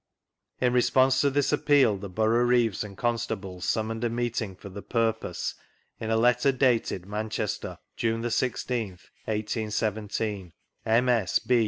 In response to this appeal the Boroughreeves and Constables summoned a meeting for the purpose, in a letter dated Manchester, June the i6th, 1817. (MS B.